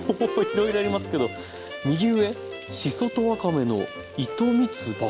いろいろありますけど右上しそとわかめの糸みつば